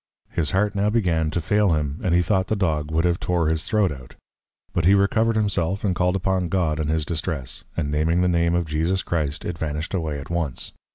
His Heart now began to fail him, and he thought the Dog would have tore his Throat out. But he recovered himself, and called upon God in his Distress; and naming the Name of JESUS CHRIST, it vanished away at once.